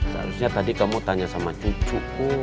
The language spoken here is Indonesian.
seharusnya tadi kamu tanya sama cucuku